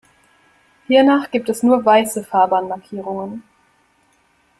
Hiernach gibt es nur weiße Fahrbahnmarkierungen.